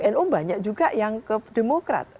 nu banyak juga yang ke demokrat